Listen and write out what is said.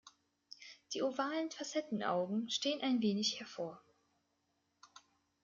Die ovalen Facettenaugen stehen ein wenig hervor.